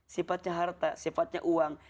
sifatnya harta sifatnya uang